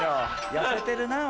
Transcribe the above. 痩せてるなぁ。